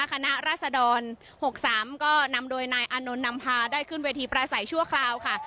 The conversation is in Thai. คณะราษฎร๖๓ก็นำโดยนายอานนท์นำพาได้ขึ้นเวทีประสัยชั่วคราวค่ะ